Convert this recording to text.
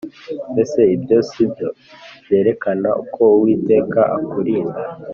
Mbese ibyo si byo byerekana ko Uwiteka akurinda